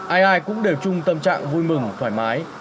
ai ai cũng đều chung tâm trạng vui mừng thoải mái